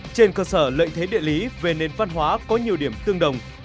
trên cơ sở lợi thế địa lý về nền văn hóa có nhiều điểm tương đồng